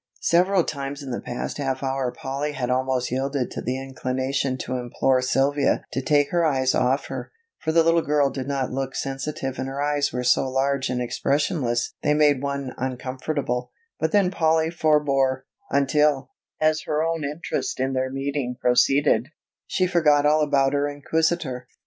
Several times in the past half hour Polly had almost yielded to the inclination to implore Sylvia to take her eyes off her, for the little girl did not look sensitive and her eyes were so large and expressionless they made one uncomfortable, but then Polly forbore, until, as her own interest in their meeting proceeded, she forgot all about her inquisitor.